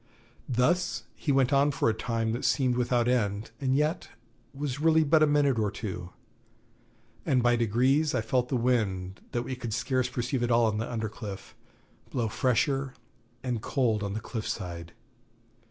Thus he went on for a time that seemed without end, and yet was really but a minute or two; and by degrees I felt the wind, that we could scarce perceive at all on the under cliff, blow fresher and cold on the cliff side.